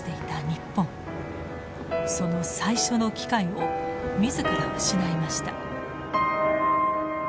その最初の機会を自ら失いました。